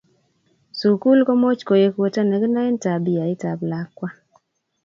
sukul komoch koek wetonekinoen tabiait ab lakwa